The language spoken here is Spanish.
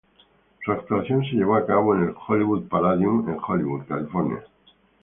Su actuación se llevó a cabo en el Hollywood Palladium en Hollywood, California.